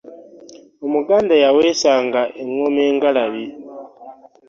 omuganda yawesanga enggoma engalabi